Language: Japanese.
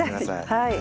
はい。